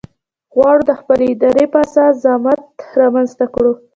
غواړو د خپلې ارادې په اساس زعامت رامنځته کړو.